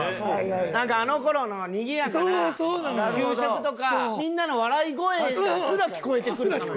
なんかあの頃のにぎやかな給食とかみんなの笑い声すら聞こえてくるかのような。